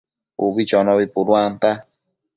Ubi chonobi puduanta